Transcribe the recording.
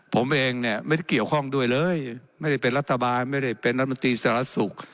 ผมเองเนี่ยไม่ได้เกี่ยวข้องด้วยเลยไม่ได้เป็นรัฐบาลไม่ได้เป็นรัฐมนตรีสารสุข